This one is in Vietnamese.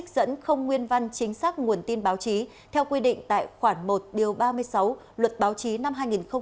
vẫn không nguyên văn chính xác nguồn tin báo chí theo quy định tại khoản một ba mươi sáu luật báo chí năm hai nghìn một mươi sáu